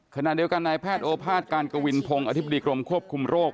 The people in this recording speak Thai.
ขณะเดียวกันนายแพทย์โอภาษการกวินพงศ์อธิบดีกรมควบคุมโรค